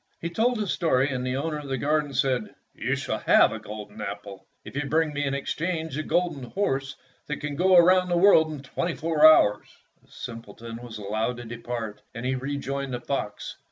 He told his story, and the owner of the garden said, "You shall have a golden apple if you will bring me in exchange the golden horse that can go around the world in twenty four hours." The simpleton was allowed to depart, and he rejoined the fox.